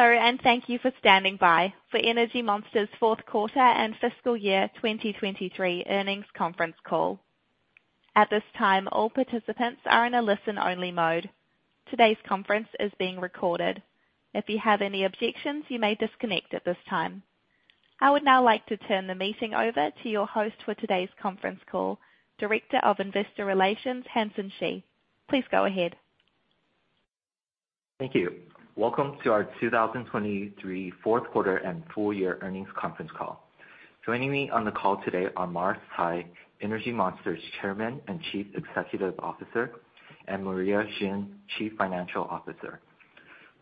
Hello and thank you for standing by for Energy Monster's fourth quarter and fiscal year 2023 earnings conference call. At this time, all participants are in a listen-only mode. Today's conference is being recorded. If you have any objections, you may disconnect at this time. I would now like to turn the meeting over to your host for today's conference call, Director of Investor Relations, Hansen Shi. Please go ahead. Thank you. Welcome to our 2023 fourth quarter and full-year earnings conference call. Joining me on the call today are Mars Cai, Energy Monster's Chairman and Chief Executive Officer, and Maria Yi Xin, Chief Financial Officer.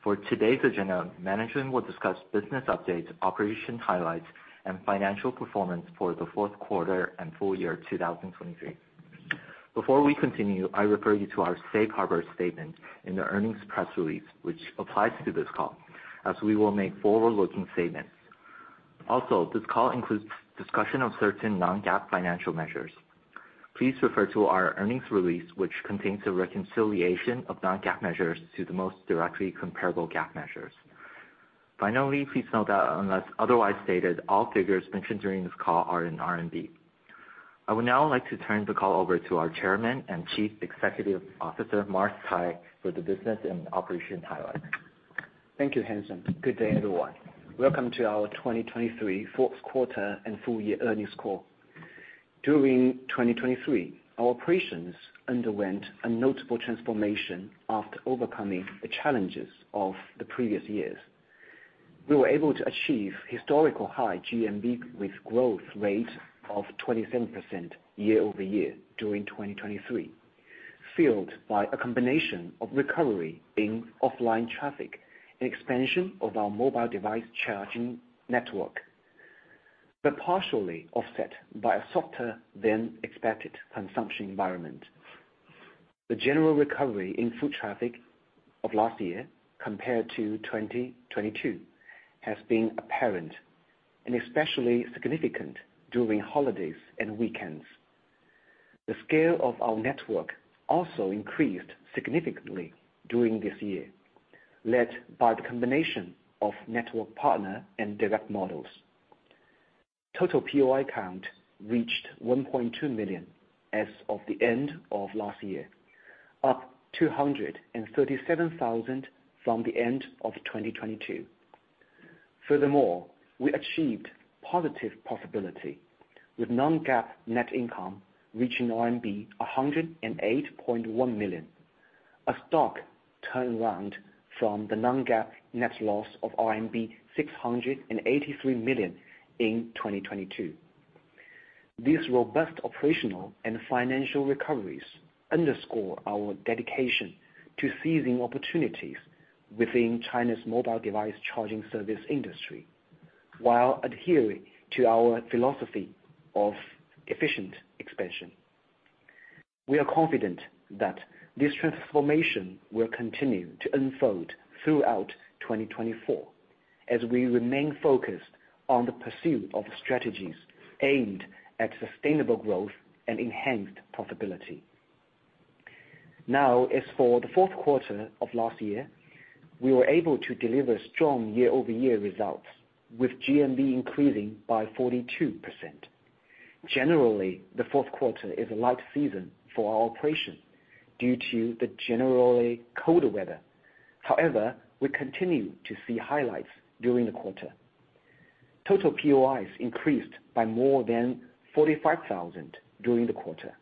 For today's agenda, management will discuss business updates, operation highlights, and financial performance for the fourth quarter and full year 2023. Before we continue, I refer you to our safe harbor statement in the earnings press release, which applies to this call, as we will make forward-looking statements. Also, this call includes discussion of certain non-GAAP financial measures. Please refer to our earnings release, which contains a reconciliation of non-GAAP measures to the most directly comparable GAAP measures. Finally, please note that unless otherwise stated, all figures mentioned during this call are in RMB. I would now like to turn the call over to our Chairman and Chief Executive Officer, Mars Cai, for the business and operation highlights. Thank you, Hansen. Good day, everyone. Welcome to our 2023 fourth quarter and full-year earnings call. During 2023, our operations underwent a notable transformation after overcoming the challenges of the previous years. We were able to achieve historical high GMV with growth rates of 27% year-over-year during 2023, fueled by a combination of recovery in offline traffic and expansion of our mobile device charging network, but partially offset by a softer-than-expected consumption environment. The general recovery in foot traffic of last year compared to 2022 has been apparent and especially significant during holidays and weekends. The scale of our network also increased significantly during this year, led by the combination of network partner and direct models. Total POI count reached 1.2 million as of the end of last year, up 237,000 from the end of 2022. Furthermore, we achieved positive profitability, with non-GAAP net income reaching RMB 108.1 million, a stark turnaround from the non-GAAP net loss of RMB 683 million in 2022. These robust operational and financial recoveries underscore our dedication to seizing opportunities within China's mobile device charging service industry while adhering to our philosophy of efficient expansion. We are confident that this transformation will continue to unfold throughout 2024, as we remain focused on the pursuit of strategies aimed at sustainable growth and enhanced profitability. Now, as for the fourth quarter of last year, we were able to deliver strong year-over-year results, with GMV increasing by 42%. Generally, the fourth quarter is a light season for our operation due to the generally colder weather. However, we continue to see highlights during the quarter. Total POIs increased by more than 45,000 during the quarter,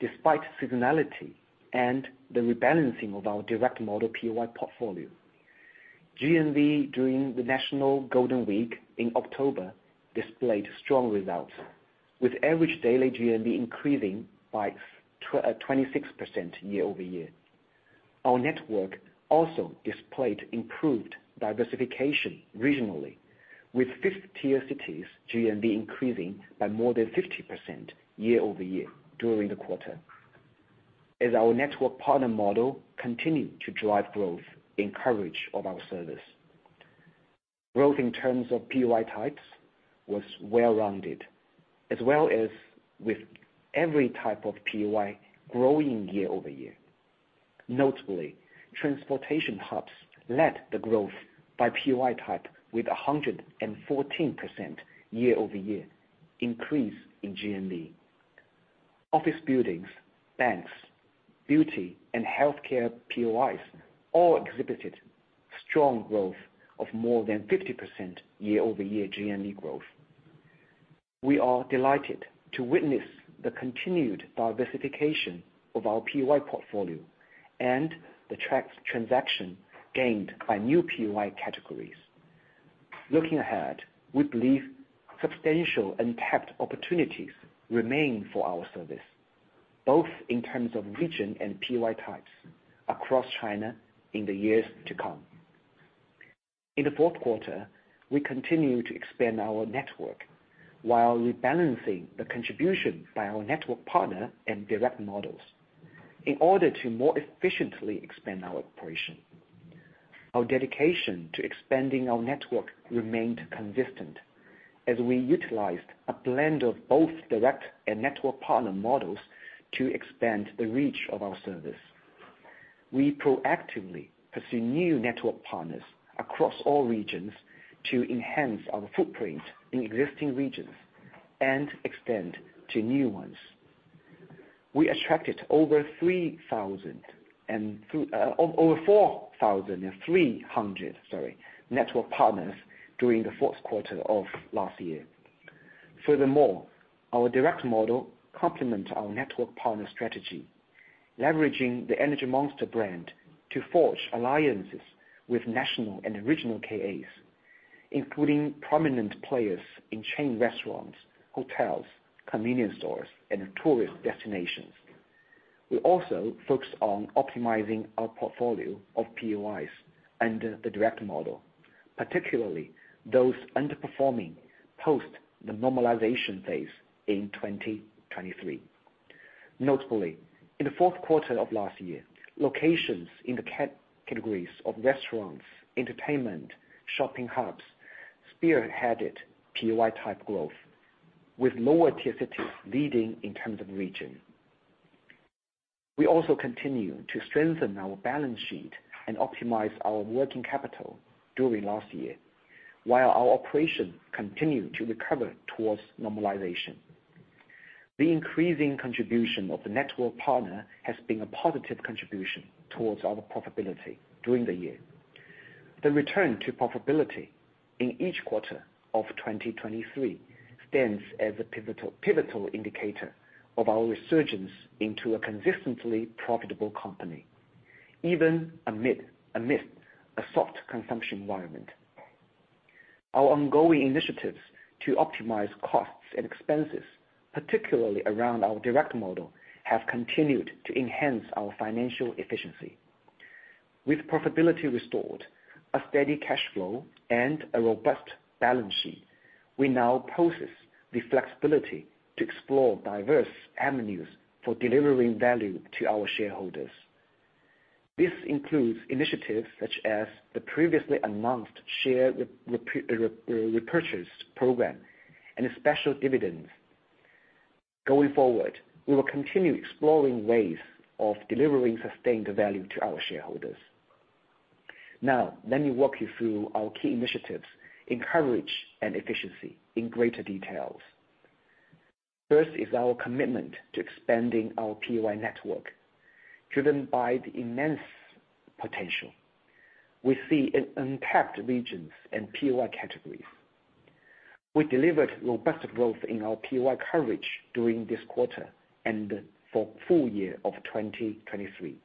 despite seasonality and the rebalancing of our direct model POI portfolio. GMV during the National Golden Week in October displayed strong results, with average daily GMV increasing by 26% year-over-year. Our network also displayed improved diversification regionally, with fifth-tier cities' GMV increasing by more than 50% year-over-year during the quarter, as our network partner model continued to drive growth and coverage of our service. Growth in terms of POI types was well-rounded, as well as with every type of POI growing year-over-year. Notably, transportation hubs led the growth by POI type with a 114% year-over-year increase in GMV. Office buildings, banks, beauty, and healthcare POIs all exhibited strong growth of more than 50% year-over-year GMV growth. We are delighted to witness the continued diversification of our POI portfolio and the tracked transaction gained by new POI categories. Looking ahead, we believe substantial untapped opportunities remain for our service, both in terms of region and POI types, across China in the years to come. In the fourth quarter, we continue to expand our network while rebalancing the contribution by our network partner and direct models in order to more efficiently expand our operation. Our dedication to expanding our network remained consistent, as we utilized a blend of both direct and network partner models to expand the reach of our service. We proactively pursued new network partners across all regions to enhance our footprint in existing regions and extend to new ones. We attracted over 4,300 network partners during the fourth quarter of last year. Furthermore, our direct model complements our network partner strategy, leveraging the Energy Monster brand to forge alliances with national and regional KAs, including prominent players in chain restaurants, hotels, convenience stores, and tourist destinations. We also focused on optimizing our portfolio of POIs under the direct model, particularly those underperforming post the normalization phase in 2023. Notably, in the fourth quarter of last year, locations in the categories of restaurants, entertainment, shopping hubs spearheaded POI-type growth, with lower-tier cities leading in terms of region. We also continue to strengthen our balance sheet and optimize our working capital during last year, while our operation continued to recover towards normalization. The increasing contribution of the network partner has been a positive contribution towards our profitability during the year. The return to profitability in each quarter of 2023 stands as a pivotal indicator of our resurgence into a consistently profitable company, even amid a soft consumption environment. Our ongoing initiatives to optimize costs and expenses, particularly around our direct model, have continued to enhance our financial efficiency. With profitability restored, a steady cash flow, and a robust balance sheet, we now possess the flexibility to explore diverse avenues for delivering value to our shareholders. This includes initiatives such as the previously announced share repurchase program and a special dividend. Going forward, we will continue exploring ways of delivering sustained value to our shareholders. Now, let me walk you through our key initiatives in coverage and efficiency in greater details. First is our commitment to expanding our POI network. Driven by the immense potential, we see untapped regions and POI categories. We delivered robust growth in our POI coverage during this quarter and for the full year of 2023,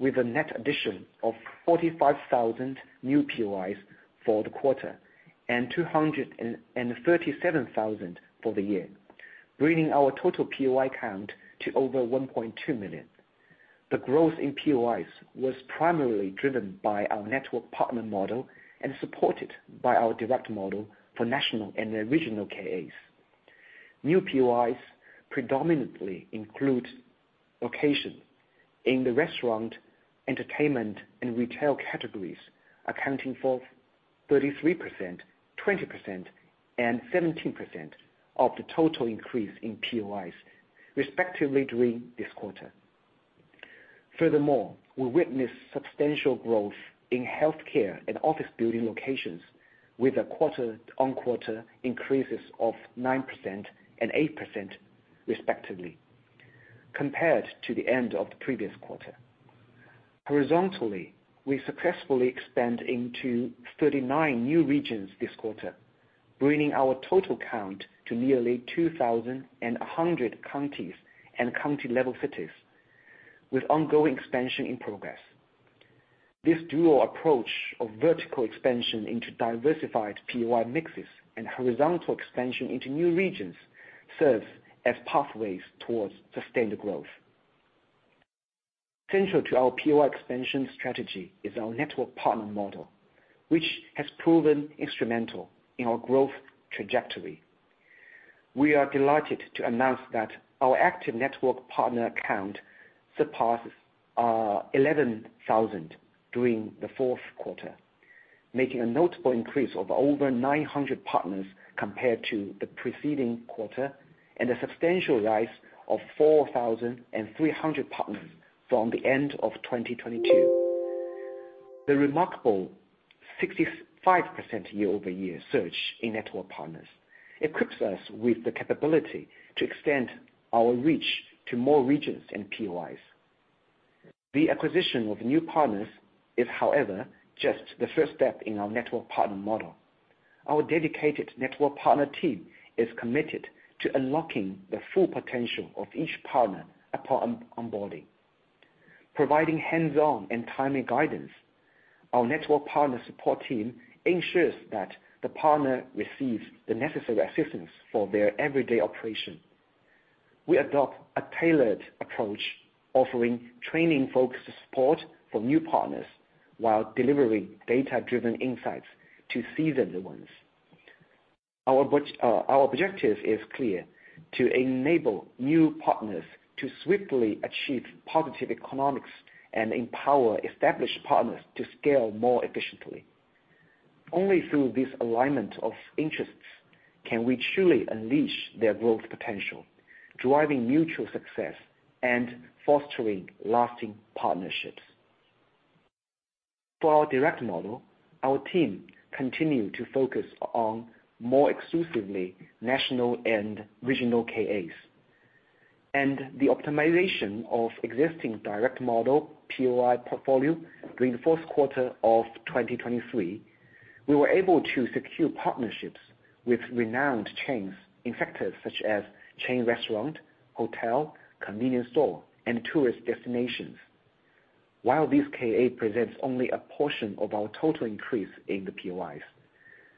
with a net addition of 45,000 new POIs for the quarter and 237,000 for the year, bringing our total POI count to over 1.2 million. The growth in POIs was primarily driven by our network partner model and supported by our direct model for national and regional KAs. New POIs predominantly include locations. In the restaurant, entertainment, and retail categories, accounting for 33%, 20%, and 17% of the total increase in POIs, respectively, during this quarter. Furthermore, we witnessed substantial growth in healthcare and office building locations, with quarter-on-quarter increases of 9% and 8%, respectively, compared to the end of the previous quarter. Horizontally, we successfully expanded into 39 new regions this quarter, bringing our total count to nearly 2,100 counties and county-level cities, with ongoing expansion in progress. This dual approach of vertical expansion into diversified POI mixes and horizontal expansion into new regions serves as pathways towards sustained growth. Central to our POI expansion strategy is our network partner model, which has proven instrumental in our growth trajectory. We are delighted to announce that our active network partner count surpasses 11,000 during the fourth quarter, making a notable increase of over 900 partners compared to the preceding quarter and a substantial rise of 4,300 partners from the end of 2022. The remarkable 65% year-over-year surge in network partners equips us with the capability to extend our reach to more regions and POIs. The acquisition of new partners is, however, just the first step in our network partner model. Our dedicated network partner team is committed to unlocking the full potential of each partner upon onboarding. Providing hands-on and timely guidance, our network partner support team ensures that the partner receives the necessary assistance for their everyday operation. We adopt a tailored approach, offering training-focused support for new partners while delivering data-driven insights to seasoned ones. Our objective is clear: to enable new partners to swiftly achieve positive economics and empower established partners to scale more efficiently. Only through this alignment of interests can we truly unleash their growth potential, driving mutual success and fostering lasting partnerships. For our direct model, our team continued to focus on more exclusively national and regional KAs. The optimization of existing direct model POI portfolio during the fourth quarter of 2023, we were able to secure partnerships with renowned chains in sectors such as chain restaurant, hotel, convenience store, and tourist destinations, while these KAs present only a portion of our total increase in the POIs.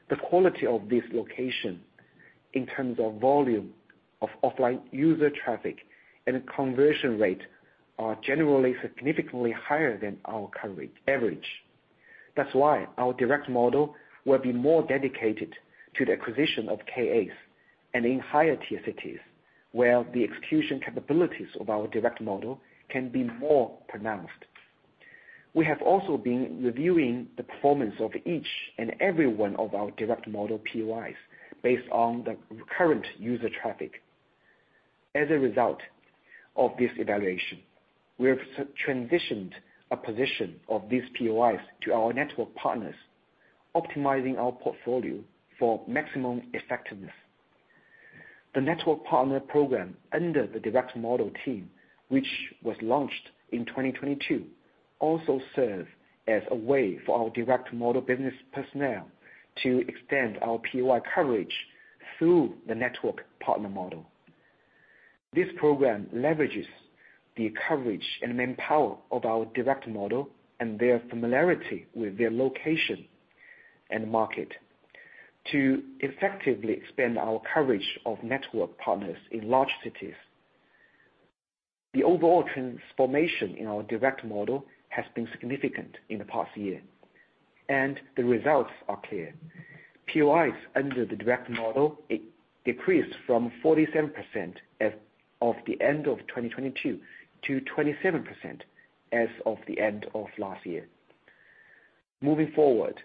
The quality of these locations, in terms of volume of offline user traffic and conversion rate, are generally significantly higher than our average. That's why our direct model will be more dedicated to the acquisition of KAs and in higher-tier cities, where the execution capabilities of our direct model can be more pronounced. We have also been reviewing the performance of each and every one of our direct model POIs based on the current user traffic. As a result of this evaluation, we have transitioned a position of these POIs to our network partners, optimizing our portfolio for maximum effectiveness. The network partner program under the direct model team, which was launched in 2022, also serves as a way for our direct model business personnel to extend our POI coverage through the network partner model. This program leverages the courage and manpower of our direct model and their familiarity with their location and market to effectively expand our coverage of network partners in large cities. The overall transformation in our direct model has been significant in the past year, and the results are clear. POIs under the direct model decreased from 47% at the end of 2022 to 27% as of the end of last year. Moving forward,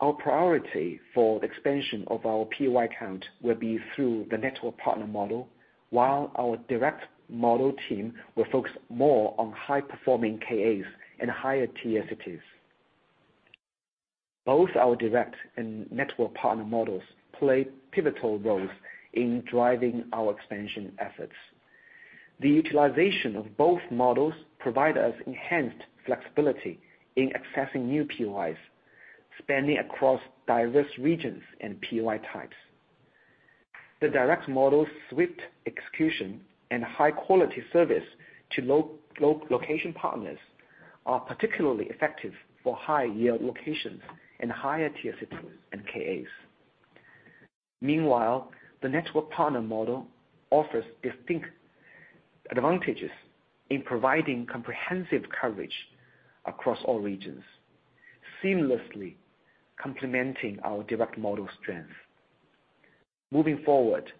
our priority for the expansion of our POI count will be through the network partner model, while our direct model team will focus more on high-performing KAs and higher-tier cities. Both our direct and network partner models play pivotal roles in driving our expansion efforts. The utilization of both models provides us enhanced flexibility in accessing new POIs, spanning across diverse regions and POI types. The direct model's swift execution and high-quality service to location partners are particularly effective for high-yield locations and higher-tier cities and KAs. Meanwhile, the network partner model offers distinct advantages in providing comprehensive coverage across all regions, seamlessly complementing our direct model strengths. Moving forward,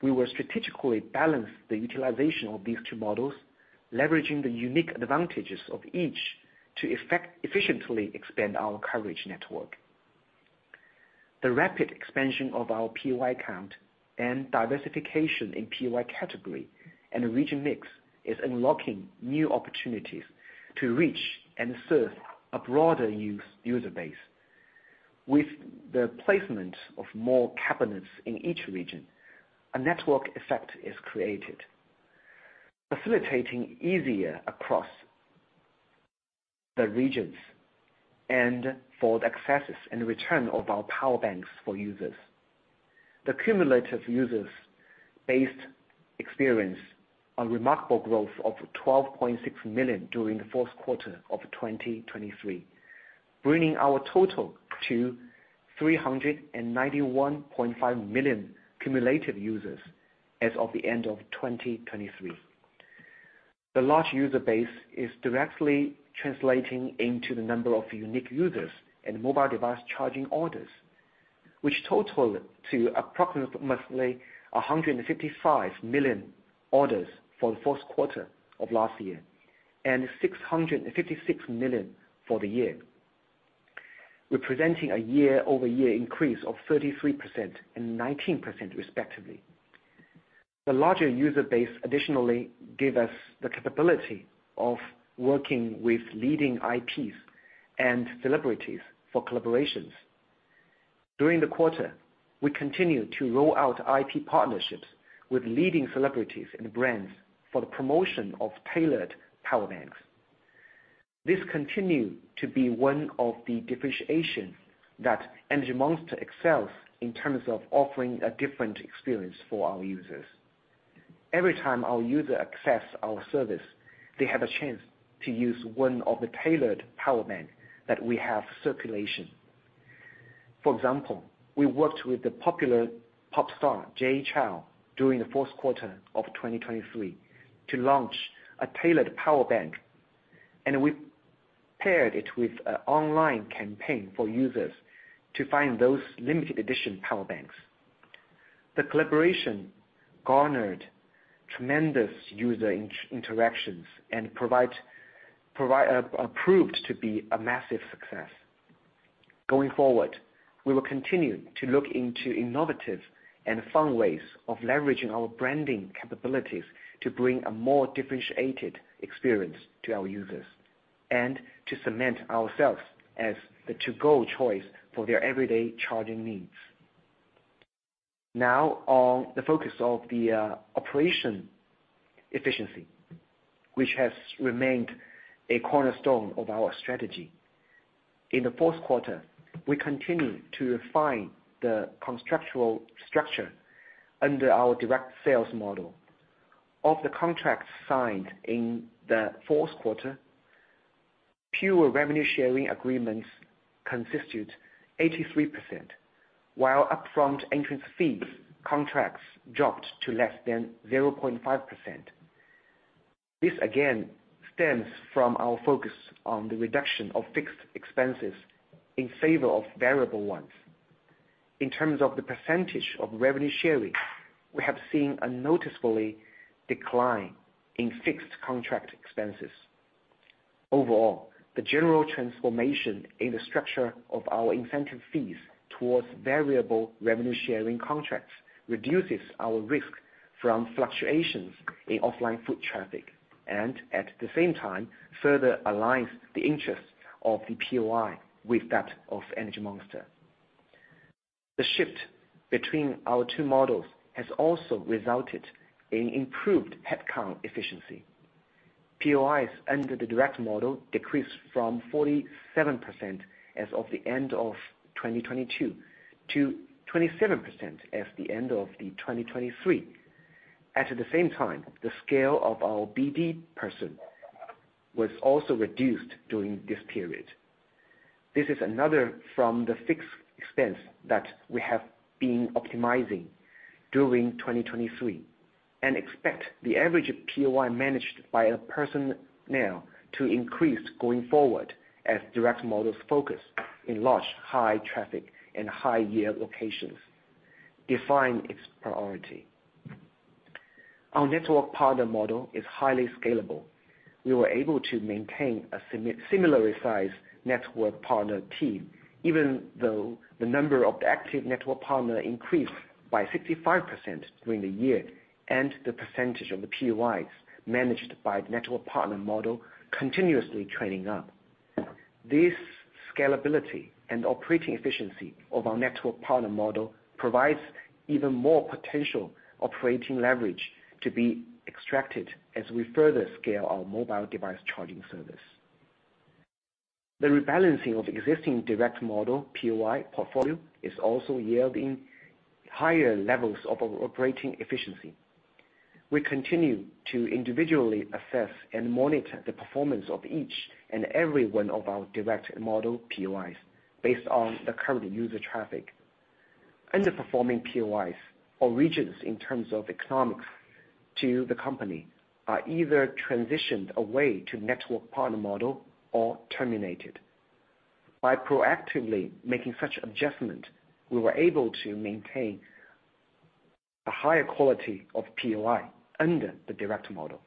we will strategically balance the utilization of these two models, leveraging the unique advantages of each to efficiently expand our coverage network. The rapid expansion of our POI count and diversification in POI category and region mix is unlocking new opportunities to reach and serve a broader user base. With the placement of more cabinets in each region, a network effect is created, facilitating easier across the regions and for the accesses and return of our power banks for users. The cumulative user-based experience saw a remarkable growth of 12.6 million during the fourth quarter of 2023, bringing our total to 391.5 million cumulative users as of the end of 2023. The large user base is directly translating into the number of unique users and mobile device charging orders, which totaled to approximately 155 million orders for the fourth quarter of last year and 656 million for the year, representing a year-over-year increase of 33% and 19%, respectively. The larger user base additionally gave us the capability of working with leading IPs and celebrities for collaborations. During the quarter, we continued to roll out IP partnerships with leading celebrities and brands for the promotion of tailored power banks. This continued to be one of the differentiations that Energy Monster excels in terms of offering a different experience for our users. Every time our user accesses our service, they have a chance to use one of the tailored power banks that we have in circulation. For example, we worked with the popular pop star Jay Chou during the fourth quarter of 2023 to launch a tailored power bank, and we paired it with an online campaign for users to find those limited-edition power banks. The collaboration garnered tremendous user interactions and proved to be a massive success. Going forward, we will continue to look into innovative and fun ways of leveraging our branding capabilities to bring a more differentiated experience to our users and to cement ourselves as the go-to choice for their everyday charging needs. Now, on the focus of the operational efficiency, which has remained a cornerstone of our strategy. In the fourth quarter, we continue to refine the contractual structure under our direct sales model. Of the contracts signed in the fourth quarter, pure revenue-sharing agreements consisted of 83%, while upfront entrance fee contracts dropped to less than 0.5%. This, again, stems from our focus on the reduction of fixed expenses in favor of variable ones. In terms of the percentage of revenue sharing, we have seen a noticeable decline in fixed contract expenses. Overall, the general transformation in the structure of our incentive fees towards variable revenue-sharing contracts reduces our risk from fluctuations in offline food traffic and, at the same time, further aligns the interests of the POI with that of Energy Monster. The shift between our two models has also resulted in improved headcount efficiency. POIs under the direct model decreased from 47% as of the end of 2022 to 27% as of the end of 2023. At the same time, the scale of our BD personnel was also reduced during this period. This is another from the fixed expense that we have been optimizing during 2023 and expect the average POI managed per personnel to increase going forward as direct models focus on large, high-traffic, and high-yield locations, defining its priority. Our network partner model is highly scalable. We were able to maintain a similarly sized network partner team, even though the number of the active network partners increased by 65% during the year, and the percentage of the POIs managed by the network partner model continuously trending up. This scalability and operating efficiency of our network partner model provides even more potential operating leverage to be extracted as we further scale our mobile device charging service. The rebalancing of the existing direct model POI portfolio is also yielding higher levels of operating efficiency. We continue to individually assess and monitor the performance of each and every one of our direct model POIs based on the current user traffic. Underperforming POIs or regions in terms of economics to the company are either transitioned away from the network partner model or terminated. By proactively making such adjustments, we were able to maintain a higher quality of POI under the direct model.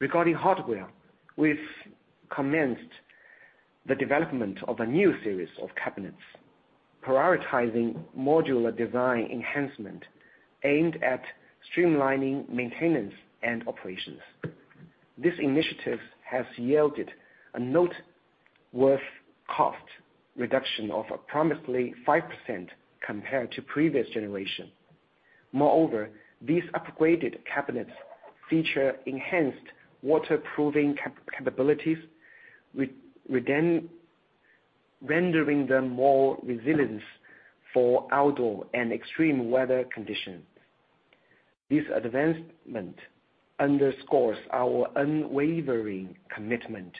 Regarding hardware, we've commenced the development of a new series of cabinets, prioritizing modular design enhancement aimed at streamlining maintenance and operations. This initiative has yielded a noteworthy cost reduction of approximately 5% compared to the previous generation. Moreover, these upgraded cabinets feature enhanced waterproofing capabilities, rendering them more resilient for outdoor and extreme weather conditions. This advancement underscores our unwavering commitment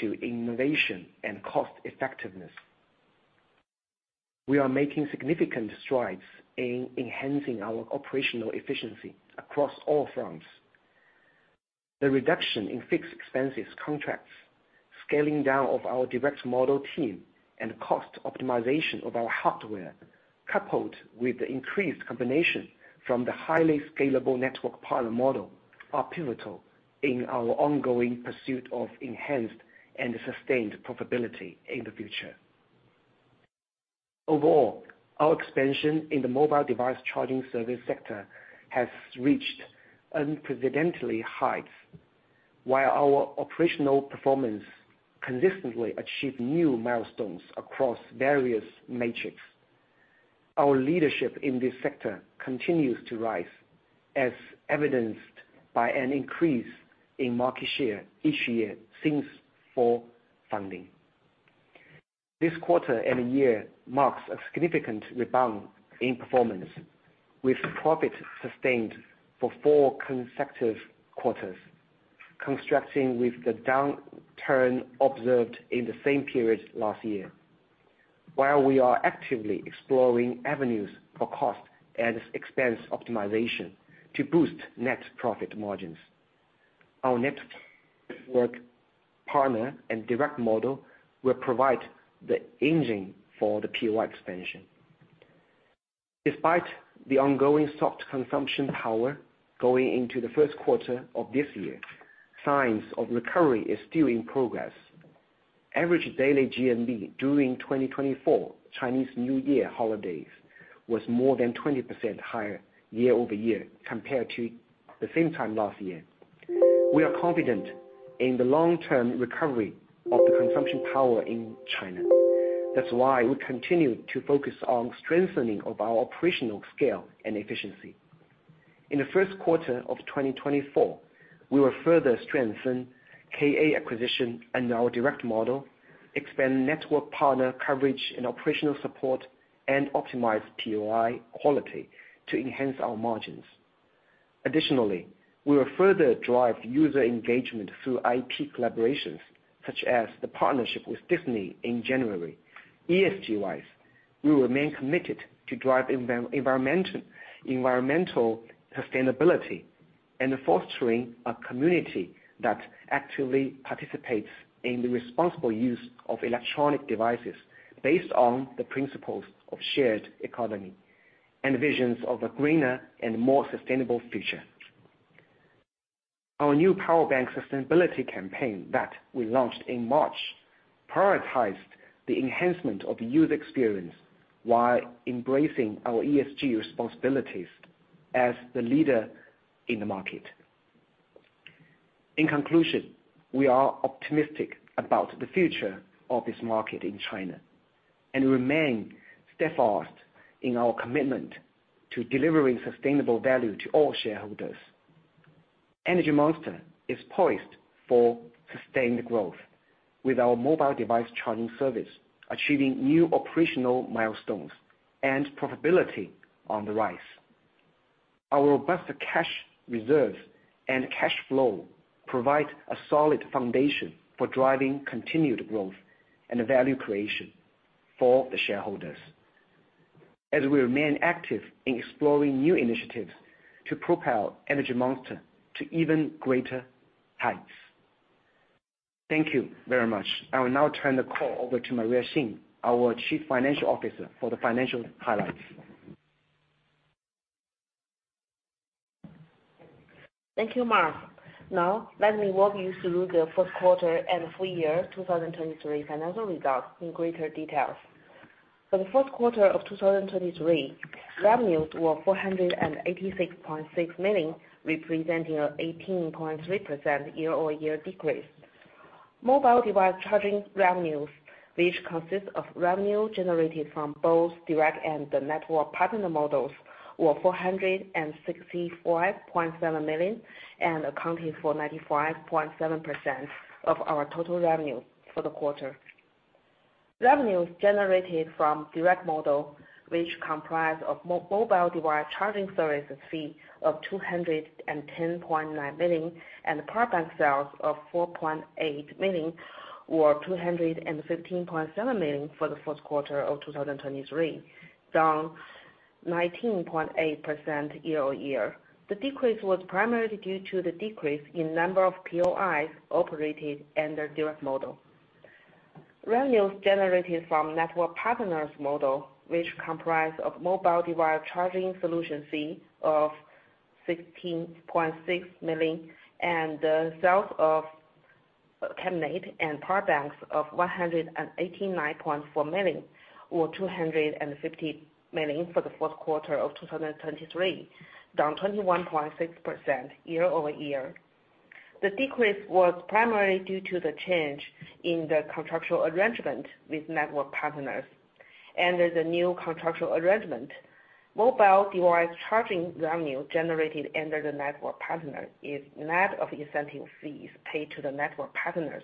to innovation and cost-effectiveness. We are making significant strides in enhancing our operational efficiency across all fronts. The reduction in fixed expenses contracts, scaling down of our direct model team, and cost optimization of our hardware, coupled with the increased contribution from the highly scalable network partner model, are pivotal in our ongoing pursuit of enhanced and sustained profitability in the future. Overall, our expansion in the mobile device charging service sector has reached unprecedented heights, while our operational performance consistently achieves new milestones across various metrics. Our leadership in this sector continues to rise, as evidenced by an increase in market share each year since founding. This quarter and year marks a significant rebound in performance, with profit sustained for four consecutive quarters, contrasting with the downturn observed in the same period last year, while we are actively exploring avenues for cost and expense optimization to boost net profit margins. Our network partner and direct model will provide the engine for the POI expansion. Despite the ongoing soft consumption power going into the first quarter of this year, signs of recovery are still in progress. Average daily GMV during 2024 Chinese New Year holidays was more than 20% higher year-over-year compared to the same time last year. We are confident in the long-term recovery of the consumption power in China. That's why we continue to focus on strengthening our operational scale and efficiency. In the first quarter of 2024, we will further strengthen KA acquisition under our direct model, expand network partner coverage and operational support, and optimize POI quality to enhance our margins. Additionally, we will further drive user engagement through IP collaborations, such as the partnership with Disney in January. ESG-wise, we remain committed to driving environmental sustainability and fostering a community that actively participates in the responsible use of electronic devices based on the principles of shared economy and visions of a greener and more sustainable future. Our new power bank sustainability campaign that we launched in March prioritized the enhancement of the user experience while embracing our ESG responsibilities as the leader in the market. In conclusion, we are optimistic about the future of this market in China and remain steadfast in our commitment to delivering sustainable value to all shareholders. Energy Monster is poised for sustained growth, with our mobile device charging service achieving new operational milestones and profitability on the rise. Our robust cash reserves and cash flow provide a solid foundation for driving continued growth and value creation for the shareholders, as we remain active in exploring new initiatives to propel Energy Monster to even greater heights. Thank you very much. I will now turn the call over to Maria Yi Xin, our Chief Financial Officer, for the financial highlights. Thank you, Mars. Now, let me walk you through the fourth quarter and full-year 2023 financial results in greater details. For the fourth quarter of 2023, revenues were 486.6 million, representing an 18.3% year-over-year decrease. Mobile device charging revenues, which consist of revenue generated from both direct and the network partner models, were 465.7 million and accounted for 95.7% of our total revenues for the quarter. Revenues generated from the direct model, which comprised a mobile device charging service fee of 210.9 million and power bank sales of 4.8 million, were 215.7 million for the fourth quarter of 2023, down 19.8% year-over-year. The decrease was primarily due to the decrease in the number of POIs operated under the direct model. Revenues generated from the network partner's model, which comprised a mobile device charging solution fee of 16.6 million and the sales of cabinets and power banks of 189.4 million, were 250 million for the fourth quarter of 2023, down 21.6% year-over-year. The decrease was primarily due to the change in the contractual arrangement with network partners. Under the new contractual arrangement, mobile device charging revenue generated under the network partner is net of incentive fees paid to the network partners.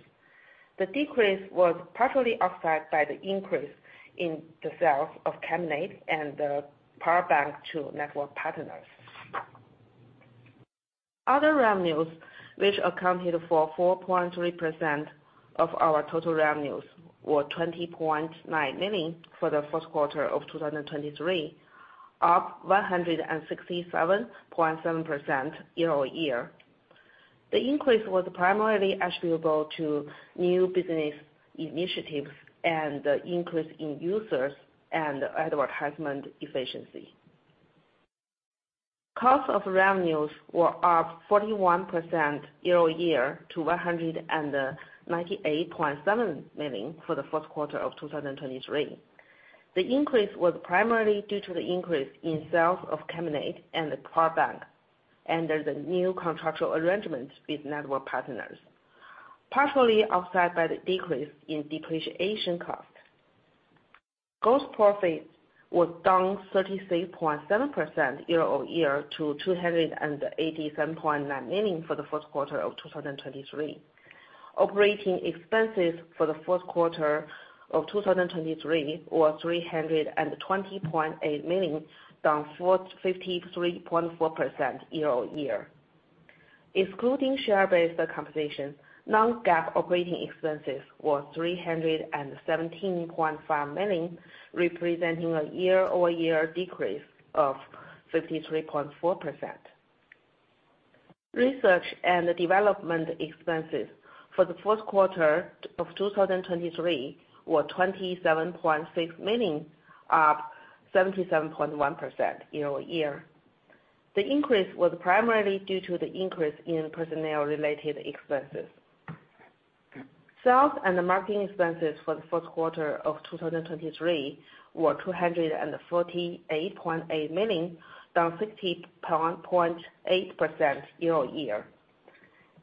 The decrease was partially offset by the increase in the sales of cabinets and the power bank to network partners. Other revenues, which accounted for 4.3% of our total revenues, were 20.9 million for the fourth quarter of 2023, up 167.7% year-over-year. The increase was primarily attributable to new business initiatives and the increase in users and advertisement efficiency. Cost of revenues were up 41% year-over-year to 198.7 million for the fourth quarter of 2023. The increase was primarily due to the increase in sales of cabinets and the power bank under the new contractual arrangement with network partners, partially offset by the decrease in depreciation cost. Gross profit was down 36.7% year-over-year to 287.9 million for the fourth quarter of 2023. Operating expenses for the fourth quarter of 2023 were 320.8 million, down 53.4% year-over-year. Excluding share-based compensation, non-GAAP operating expenses were 317.5 million, representing a year-over-year decrease of 53.4%. Research and development expenses for the fourth quarter of 2023 were 27.6 million, up 77.1% year-over-year. The increase was primarily due to the increase in personnel-related expenses. Sales and marketing expenses for the fourth quarter of 2023 were 248.8 million, down 60.8% year-over-year.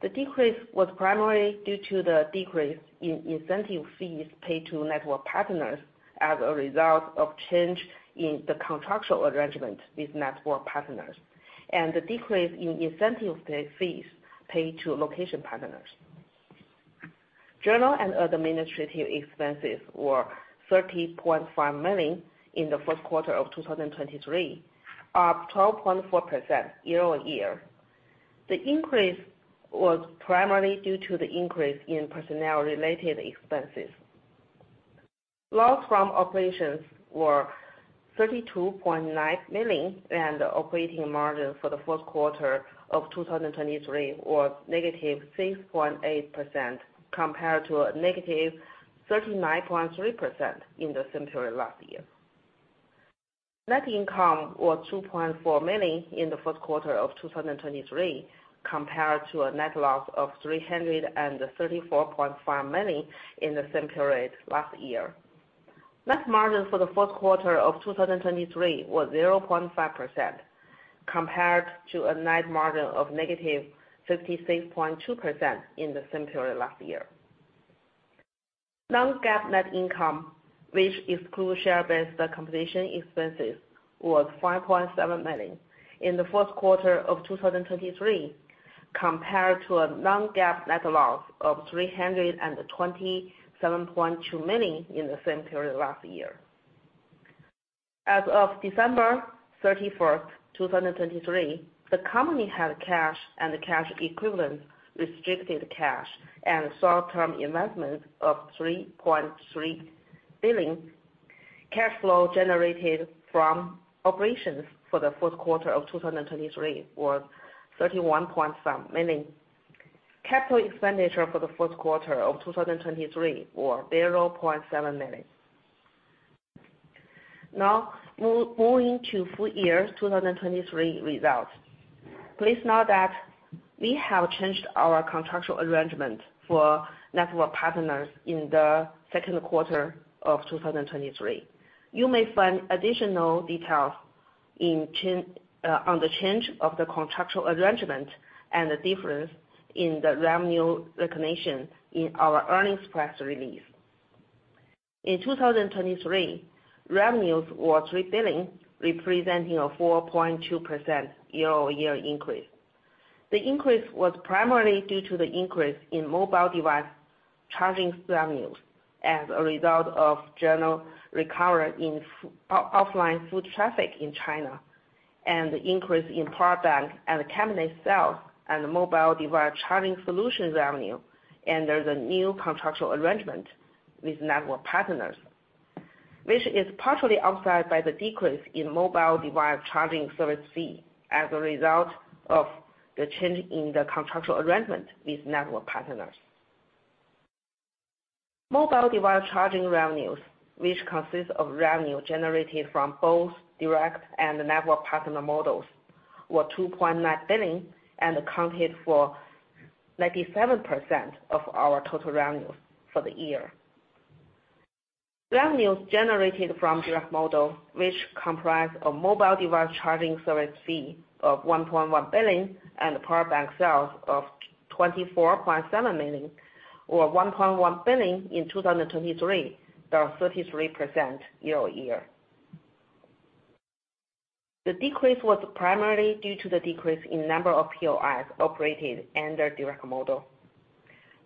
The decrease was primarily due to the decrease in incentive fees paid to network partners as a result of change in the contractual arrangement with network partners and the decrease in incentive fees paid to location partners. General and other administrative expenses were 30.5 million in the fourth quarter of 2023, up 12.4% year-over-year. The increase was primarily due to the increase in personnel-related expenses. Loss from operations were 32.9 million, and the operating margin for the fourth quarter of 2023 was -6.8% compared to a -39.3% in the same period last year. Net income was 2.4 million in the fourth quarter of 2023 compared to a net loss of 334.5 million in the same period last year. Net margin for the fourth quarter of 2023 was 0.5% compared to a net margin of -56.2% in the same period last year. Non-GAAP net income, which excludes share-based compensation expenses, was 5.7 million in the fourth quarter of 2023 compared to a non-GAAP net loss of 327.2 million in the same period last year. As of December 31st, 2023, the company had cash and cash equivalents, restricted cash and short-term investments of 3.3 billion. Cash flow generated from operations for the fourth quarter of 2023 was 31.7 million. Capital expenditure for the fourth quarter of 2023 was 0.7 million. Now, moving to full-year 2023 results. Please note that we have changed our contractual arrangement for network partners in the second quarter of 2023. You may find additional details on the change of the contractual arrangement and the difference in the revenue recognition in our earnings press release. In 2023, revenues were RMB 3 billion, representing a 4.2% year-over-year increase. The increase was primarily due to the increase in mobile device charging revenues as a result of gradual recovery in offline food traffic in China and the increase in power bank and cabinet sales and mobile device charging solution revenue under the new contractual arrangement with network partners, which is partially offset by the decrease in mobile device charging service fee as a result of the change in the contractual arrangement with network partners. Mobile device charging revenues, which consist of revenue generated from both direct and network partner models, were 2.9 billion and accounted for 97% of our total revenues for the year. Revenues generated from direct model, which comprised a mobile device charging service fee of 1.1 billion and power bank sales of 24.7 million, were 1.1 billion in 2023, down 33% year-over-year. The decrease was primarily due to the decrease in number of POIs operated under the Direct Model.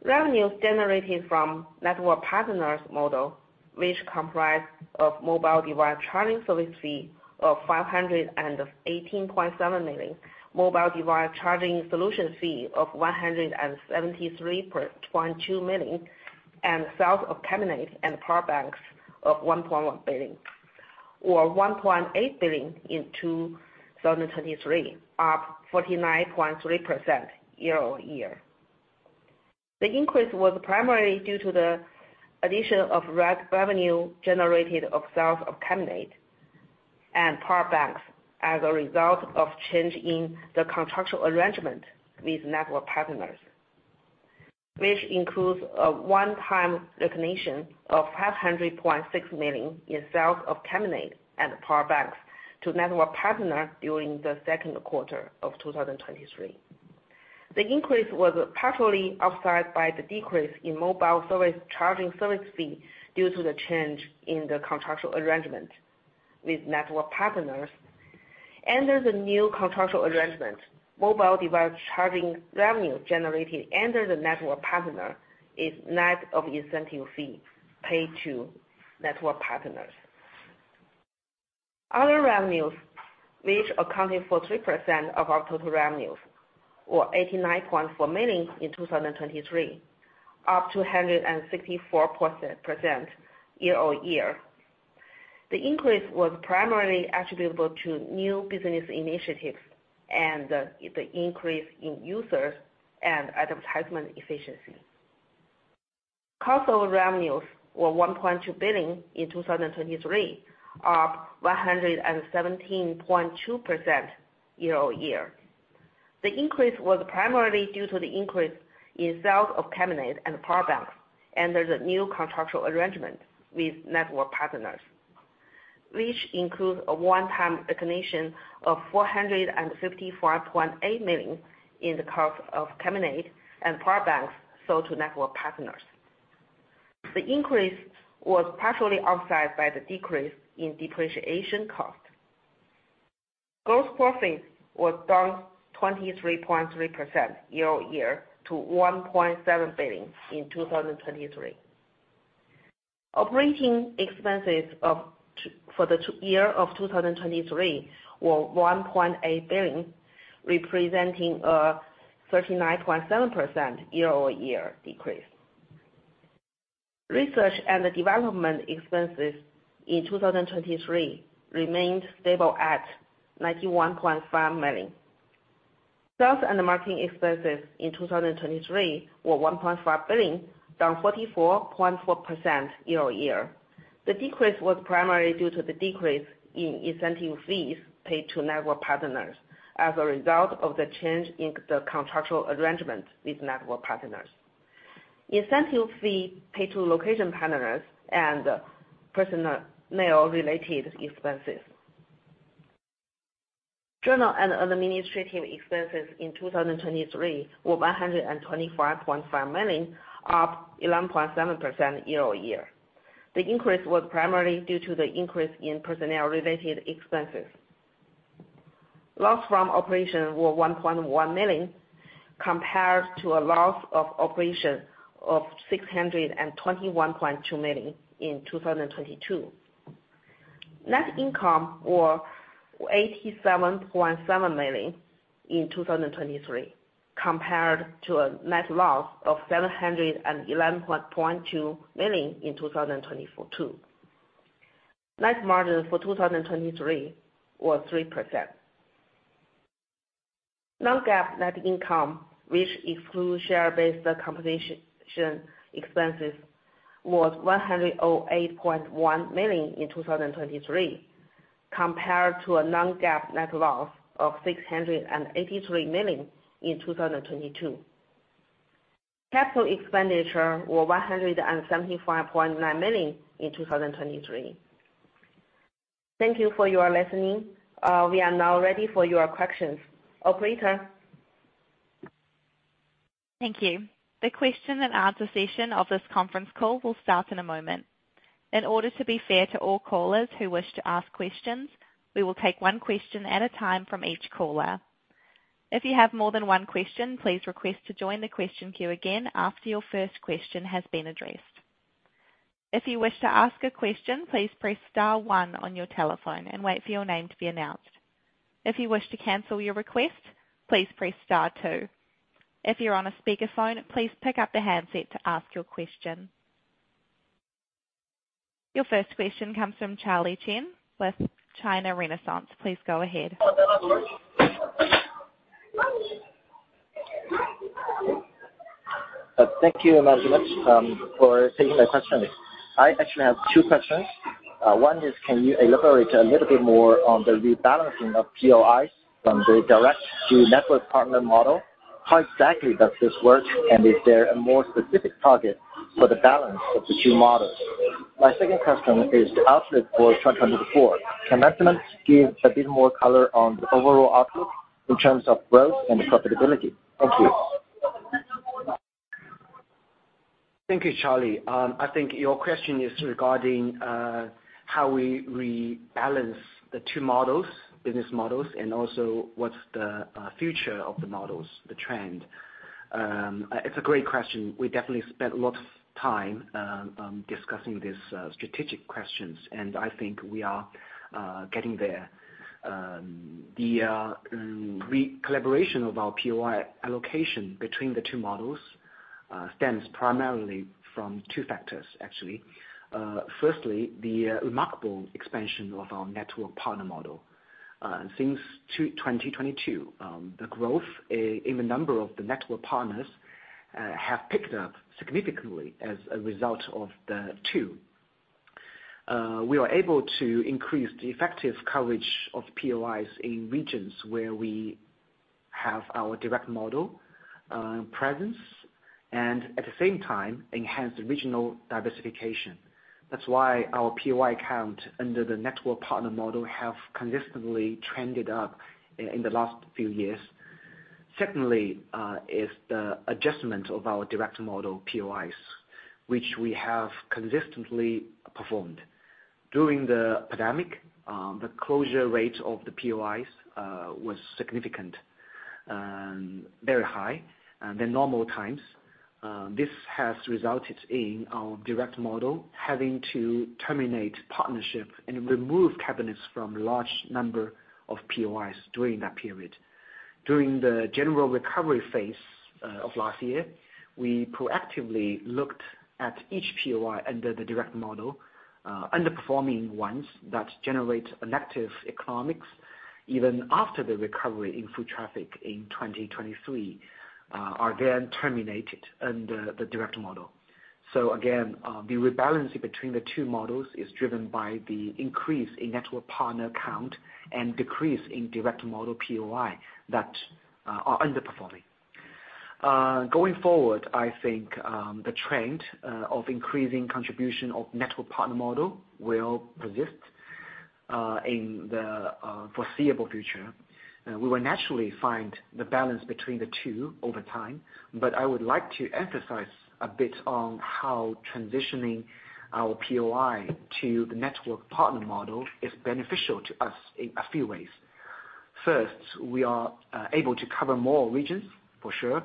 Revenues generated from Network Partner Model, which comprised a mobile device charging service fee of 518.7 million, mobile device charging solution fee of 173.2 million, and sales of cabinets and power banks of 1.1 billion, were 1.8 billion in 2023, up 49.3% year-over-year. The increase was primarily due to the addition of revenue generated from sales of cabinets and power banks as a result of change in the contractual arrangement with network partners, which includes a one-time recognition of 500.6 million in sales of cabinets and power banks to network partners during the second quarter of 2023. The increase was partially offset by the decrease in mobile device charging service fee due to the change in the contractual arrangement with network partners. Under the new contractual arrangement, mobile device charging revenue generated under the network partner is net of incentive fee paid to network partners. Other revenues, which accounted for 3% of our total revenues, were 89.4 million in 2023, up 264% year-over-year. The increase was primarily attributable to new business initiatives and the increase in users and advertisement efficiency. Cost of revenues were 1.2 billion in 2023, up 117.2% year-over-year. The increase was primarily due to the increase in sales of cabinets and power banks under the new contractual arrangement with network partners, which includes a one-time recognition of 455.8 million in the cost of cabinets and power banks sold to network partners. The increase was partially offset by the decrease in depreciation cost. Gross profit was down 23.3% year-over-year to 1.7 billion in 2023. Operating expenses for the year of 2023 were 1.8 billion, representing a 39.7% year-over-year decrease. Research and development expenses in 2023 remained stable at 91.5 million. Sales and marketing expenses in 2023 were 1.5 billion, down 44.4% year-over-year. The decrease was primarily due to the decrease in incentive fees paid to network partners as a result of the change in the contractual arrangement with network partners, incentive fee paid to location partners, and personnel-related expenses. General and administrative expenses in 2023 were 125.5 million, up 11.7% year-over-year. The increase was primarily due to the increase in personnel-related expenses. Loss from operations was 1.1 million compared to a loss from operations of 621.2 million in 2022. Net income was 87.7 million in 2023 compared to a net loss of 711.2 million in 2022. Net margin for 2023 was 3%. Non-GAAP net income, which excludes share-based compensation expenses, was 108.1 million in 2023 compared to a non-GAAP net loss of 683 million in 2022. Capital expenditure was 175.9 million in 2023. Thank you for your listening. We are now ready for your questions. Operator. Thank you. The question and answer session of this conference call will start in a moment. In order to be fair to all callers who wish to ask questions, we will take one question at a time from each caller. If you have more than one question, please request to join the question queue again after your first question has been addressed. If you wish to ask a question, please press star one on your telephone and wait for your name to be announced. If you wish to cancel your request, please press star two. If you're on a speakerphone, please pick up the handset to ask your question. Your first question comes from Charlie Chen with China Renaissance. Please go ahead. Thank you, Mr. Chairman, for taking my question. I actually have two questions. One is, can you elaborate a little bit more on the rebalancing of POIs from the direct to network partner model? How exactly does this work, and is there a more specific target for the balance of the two models? My second question is the outlook for 2024. Can Mr. Chairman give a bit more color on the overall outlook in terms of growth and profitability? Thank you. Thank you, Charlie. I think your question is regarding how we rebalance the two models, business models, and also what's the future of the models, the trend. It's a great question. We definitely spent a lot of time discussing these strategic questions, and I think we are getting there. The collaboration of our POI allocation between the two models stems primarily from two factors, actually. Firstly, the remarkable expansion of our network partner model. Since 2022, the growth in the number of the network partners has picked up significantly as a result of the two. We were able to increase the effective coverage of POIs in regions where we have our direct model presence and, at the same time, enhance regional diversification. That's why our POI count under the network partner model has consistently trended up in the last few years. Secondly is the adjustment of our Direct Model POIs, which we have consistently performed. During the pandemic, the closure rate of the POIs was significant, very high, higher than normal times. This has resulted in our Direct Model having to terminate partnerships and remove cabinets from a large number of POIs during that period. During the general recovery phase of last year, we proactively looked at each POI under the Direct Model. Underperforming ones that generate negative economics, even after the recovery in foot traffic in 2023, are then terminated under the Direct Model. So again, the rebalancing between the two models is driven by the increase in Network Partner count and decrease in Direct Model POIs that are underperforming. Going forward, I think the trend of increasing contribution of Network Partner Model will persist in the foreseeable future. We will naturally find the balance between the two over time. I would like to emphasize a bit on how transitioning our POI to the network partner model is beneficial to us in a few ways. First, we are able to cover more regions, for sure,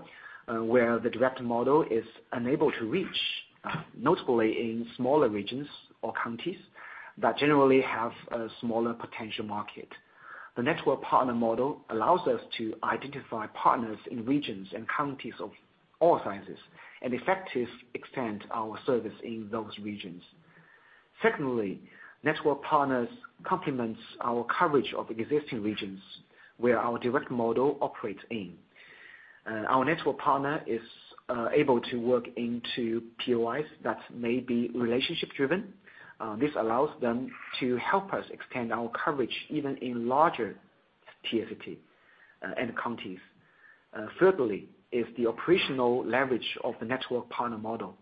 where the direct model is unable to reach, notably in smaller regions or counties that generally have a smaller potential market. The network partner model allows us to identify partners in regions and counties of all sizes and effectively extend our service in those regions. Secondly, network partners complement our coverage of existing regions where our direct model operates in. Our network partner is able to work into POIs that may be relationship-driven. This allows them to help us extend our coverage even in larger TSCT and counties. Thirdly is the operational leverage of the network partner model.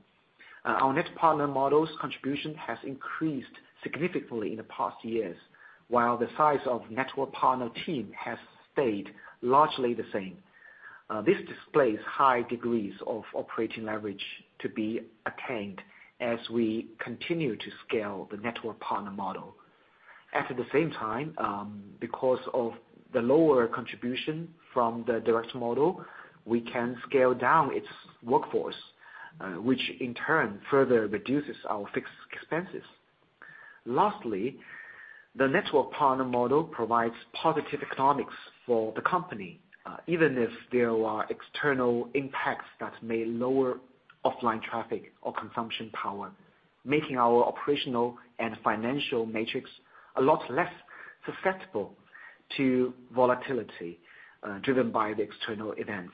Our network partner model's contribution has increased significantly in the past years, while the size of the network partner team has stayed largely the same. This displays high degrees of operating leverage to be attained as we continue to scale the network partner model. At the same time, because of the lower contribution from the direct model, we can scale down its workforce, which in turn further reduces our fixed expenses. Lastly, the network partner model provides positive economics for the company, even if there are external impacts that may lower offline traffic or consumption power, making our operational and financial matrix a lot less susceptible to volatility driven by the external events.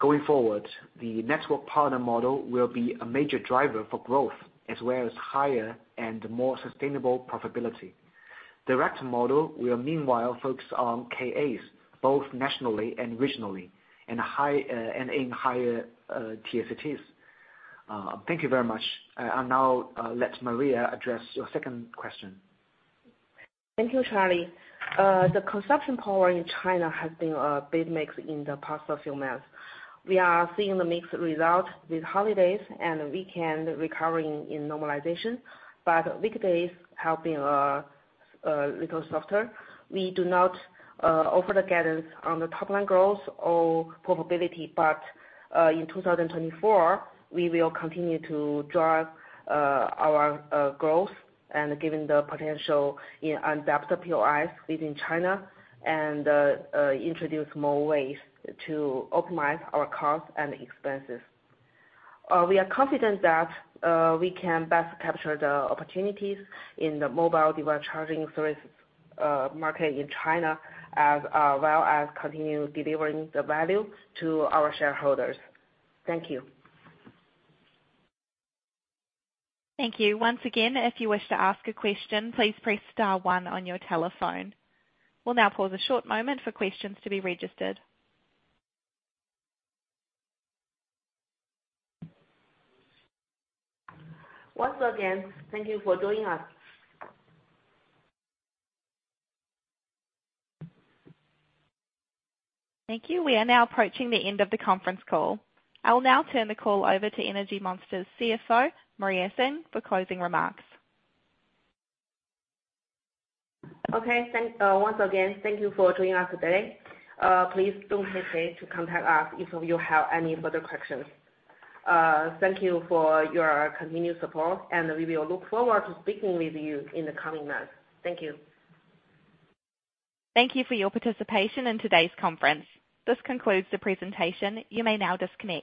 Going forward, the network partner model will be a major driver for growth as well as higher and more sustainable profitability. The direct model will, meanwhile, focus on KAs, both nationally and regionally, and in higher TSCTs. Thank you very much. I'll now let Maria address your second question. Thank you, Charlie. The consumption power in China has been a bit mixed in the past few months. We are seeing the mixed result with holidays and weekend recovering in normalization, but weekdays have been a little softer. We do not offer the guidance on the top-line growth or probability, but in 2024, we will continue to drive our growth and, given the potential in adaptive POIs within China, introduce more ways to optimize our costs and expenses. We are confident that we can best capture the opportunities in the mobile device charging services market in China as well as continue delivering the value to our shareholders. Thank you. Thank you. Once again, if you wish to ask a question, please press star one on your telephone. We'll now pause a short moment for questions to be registered. Once again, thank you for joining us. Thank you. We are now approaching the end of the conference call. I will now turn the call over to Energy Monster's CFO, Maria Yi Xin, for closing remarks. Okay. Once again, thank you for joining us today. Please don't hesitate to contact us if you have any further questions. Thank you for your continued support, and we will look forward to speaking with you in the coming months. Thank you. Thank you for your participation in today's conference. This concludes the presentation. You may now disconnect.